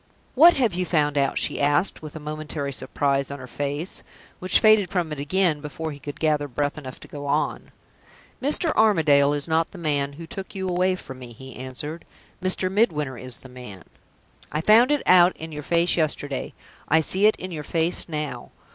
"What have you found out?" she asked, with a momentary surprise on her face, which faded from it again before he could gather breath enough to go on. "Mr. Armadale is not the man who took you away from me," he answered. "Mr. Midwinter is the man. I found it out in your face yesterday. I see it in your face now.